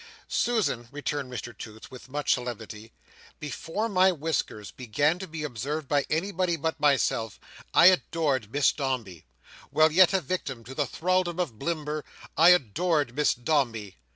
"Susan," returned Mr Toots, with much solemnity, "before my whiskers began to be observed by anybody but myself, I adored Miss Dombey. While yet a victim to the thraldom of Blimber, I adored Miss Dombey.